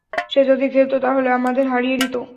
সে যদি খেলতো তাহলে আমাদের হারিয়ে দিতো?